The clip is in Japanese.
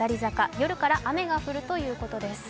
夜から雨が降るということです。